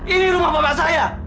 ini rumah bapak saya